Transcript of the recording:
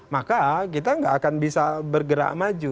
maka kita nggak akan bisa bergerak maju